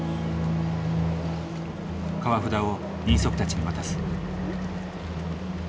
川札を人足たちに渡す。